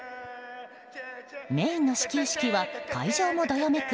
メインの始球式は会場もどよめく